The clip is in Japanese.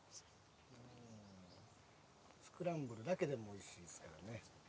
スクランブルだけでもおいしいですけどね。